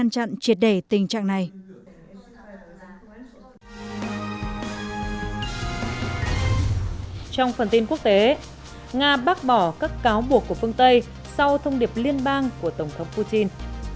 trong phần tin quốc tế nga bác bỏ các cáo buộc của phương tây sau thông điệp liên bang của tổng thống putin